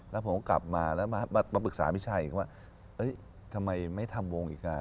แล้วผมก็กลับมาแล้วมาปรึกษาพี่ชายอีกว่าทำไมไม่ทำวงอีกอ่ะ